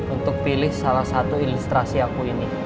untuk pilih salah satu ilustrasi aku ini